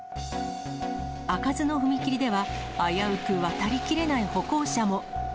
開かずの踏切では、危うく渡りきれない歩行者も。